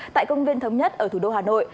tại công viên thống nhất ở thủ đô hà nội